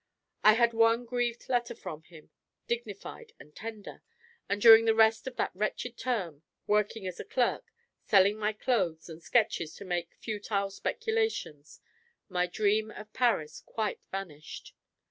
I had one grieved letter from him, dignified and tender; and during the rest of that wretched term, working as a clerk, selling my clothes and sketches to make futile speculations, my dream of Paris quite vanished.